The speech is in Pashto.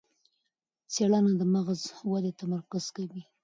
څېړنه د مغز ودې تمرکز کوي.